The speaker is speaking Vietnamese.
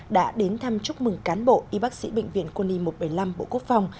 đã đến thăm chúc mừng cán bộ y bác sĩ bệnh viện quân y một trăm bảy mươi năm bộ quốc phòng